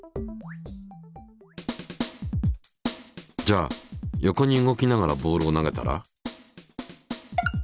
じゃあ横に動きながらボールを投げたら？